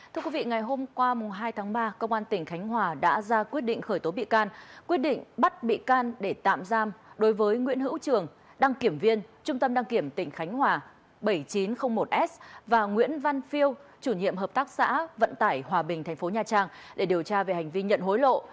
thưa quý vị ngày hôm qua hai tháng ba công an tỉnh khánh hòa đã ra quyết định khởi tố bị can quyết định bắt bị can để tạm giam đối với nguyễn hữu trường đăng kiểm viên trung tâm đăng kiểm tỉnh khánh hòa bảy nghìn chín trăm linh một s và nguyễn văn phiêu chủ nhiệm hợp tác xã vận tải hòa bình tp nha trang để điều tra về hành vi nhận hối lộ